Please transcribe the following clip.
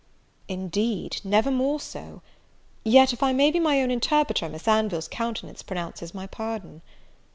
"Indeed, never more so! yet, if I may be my own interpreter, Miss Anville's countenance pronounces my pardon."